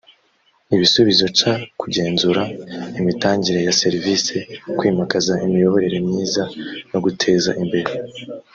ibisubizo c kugenzura imitangire ya serivisi kwimakaza imiyoborere myiza no guteza imbere